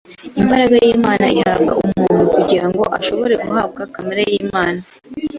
Imbaraga y’Imana ihabwa umuntu, kugira ngo ashobore guhabwa kamere y’Imana;